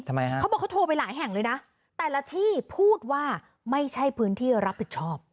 ทำไมฮะเขาบอกเขาโทรไปหลายแห่งเลยนะแต่ละที่พูดว่าไม่ใช่พื้นที่รับผิดชอบ